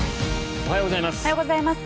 おはようございます。